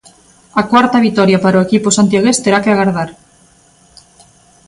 A cuarta vitoria para o equipo santiagués terá que agardar.